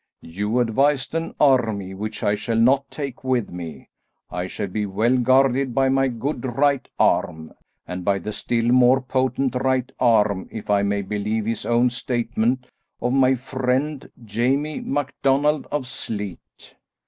"You advised an army, which I shall not take with me. I shall be well guarded by my good right arm, and by the still more potent right arm, if I may believe his own statement, of my friend, Jamie MacDonald of Sleat."